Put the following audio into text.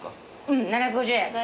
うん７５０円。